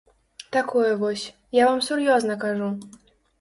Такое вось, я вам сур'ёзна кажу.